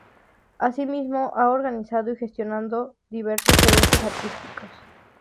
Asimismo, ha organizado y gestionado diversos eventos artísticos.